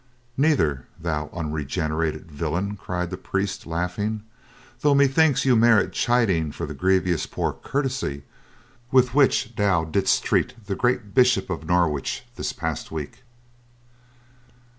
"Neither, thou unregenerate villain," cried the priest, laughing. "Though methinks ye merit chiding for the grievous poor courtesy with which thou didst treat the great Bishop of Norwich the past week."